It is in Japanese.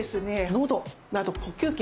のどなど呼吸器